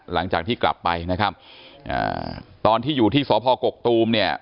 หลังจากที่กลับไปนะครับอ่าตอนที่อยู่ที่สพกกตูมเนี่ย